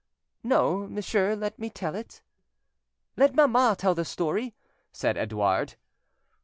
"No, monsieur; let me tell it." "Let mamma tell the story," said Edouard.